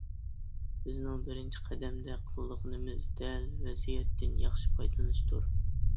بىزنىڭ بىرىنچى قەدەمدە قىلىدىغىنىمىز دەل ۋەزىيەتتىن ياخشى پايدىلىنىشتۇر.